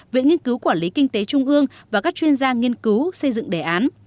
viện nghiên cứu quản lý kinh tế trung ương và các chuyên gia nghiên cứu xây dựng đề án